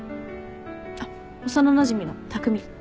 あっ幼なじみの匠。